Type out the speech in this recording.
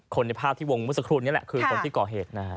คนในภาพที่วงวุฒิภูมินี่แหละคือคนที่เกาะเหตุนะฮะ